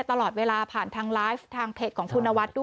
ตลอดเวลาผ่านทางไลฟ์ทางเพจของคุณนวัดด้วย